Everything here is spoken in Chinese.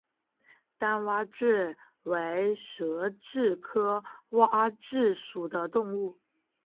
单蛙蛭为舌蛭科蛙蛭属的动物。